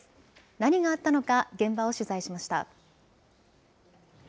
何があったのか現場を取材しました。